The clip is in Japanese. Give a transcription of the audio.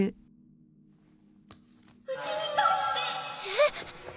えっ！？